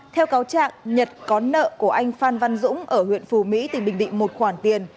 theo cáo trạng nhật có nợ của anh phan văn dũng ở huyện phù mỹ tỉnh bình định một khoản tiền